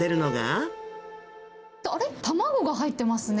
卵が入ってますね。